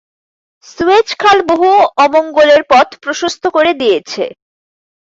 Suez খাল বহু অমঙ্গলের পথ প্রশস্ত করে দিয়েছে।